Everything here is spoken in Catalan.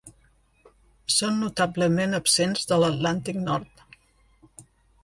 Són notablement absents de l'Atlàntic nord.